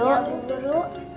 iya bu guru